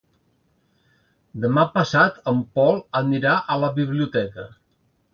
Demà passat en Pol anirà a la biblioteca.